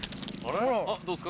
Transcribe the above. どうですか？